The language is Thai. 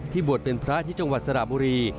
บวชเป็นพระที่จังหวัดสระบุรี